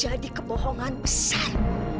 ini akan jadi kebohongan besar